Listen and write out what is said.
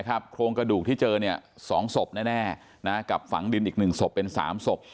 โครงกระดูกที่เจอ๒ศพแน่กับฝังดินอีก๑ศพเป็น๓ศพ